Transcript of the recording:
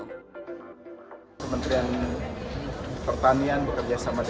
kementerian pertanian bekerja sama z